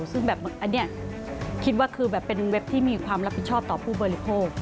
ซึ่งแบบอันนี้คิดว่าคือแบบเป็นเว็บที่มีความรับผิดชอบต่อผู้บริโภค